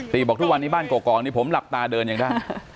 ตีบอกชอบทุกวันนี้บ้านกกองผมหลักตาเดินอย่างน่า